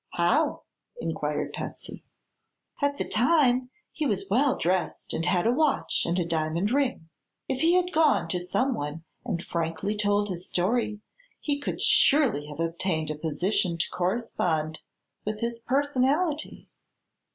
"How?" inquired Patsy. "At that time he was well dressed and had a watch and diamond ring. If he had gone to some one and frankly told his story he could surely have obtained a position to correspond with his personality.